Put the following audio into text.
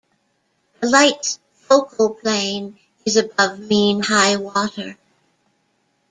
The light's focal plane is above mean high water.